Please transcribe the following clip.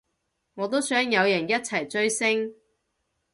我都想有人一齊追星